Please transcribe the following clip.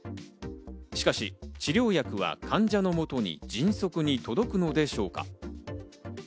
しかし、治療薬は患者のもとに迅速に届くのでしょうか。